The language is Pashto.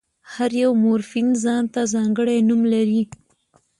هر یو مورفیم ځان ته ځانګړی نوم لري.